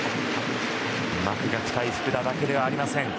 マクガフ対福田だけではありません。